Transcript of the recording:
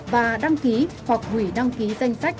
và đăng ký hoặc hủy đăng ký danh sách